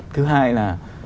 thứ hai là